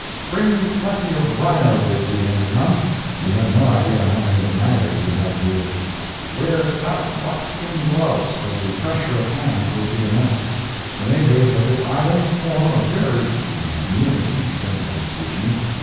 Bring plenty of rhino with you when you come; you have no idea how many admirers you have here. Wear stout buckskin gloves, for the pressure of hands will be immense. The natives of this Island form a very even community, generally speaking.